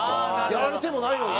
やられてもないのに。